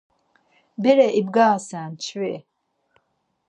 Bere iğvarasen, çvi.